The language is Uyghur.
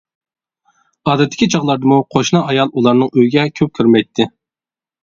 ئادەتتىكى چاغلاردىمۇ قوشنا ئايال ئۇلارنىڭ ئۆيىگە كۆپ كىرمەيتتى.